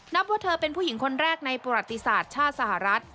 ว่าเธอเป็นผู้หญิงคนแรกในประวัติศาสตร์ชาติสหรัฐ